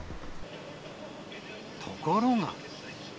ところが。